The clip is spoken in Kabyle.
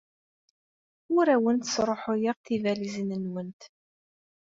Ur awent-sṛuḥuyeɣ tibalizin-nwent.